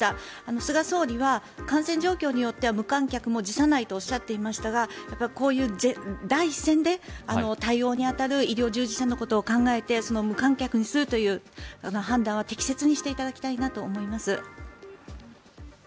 菅総理は感染状況によっては無観客も辞さないとおっしゃっていましたがこういう第一線で対応に当たる医療従事者のことを考えて無観客にするという判断は適切にしていただきたいなと思います。